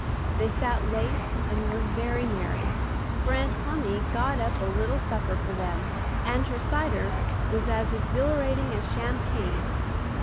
They sat late and were very merry, for Aunt Plumy got up a little supper for them, and her cider was as exhilarating as champagne.